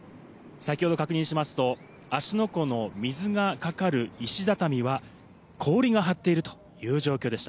先ほど確認しますと、芦ノ湖の水がかかる石畳は氷が張っているという状況でした。